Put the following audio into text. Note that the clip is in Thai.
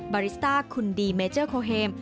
บาริสต้าคุณดีเมเจอร์โคเฮม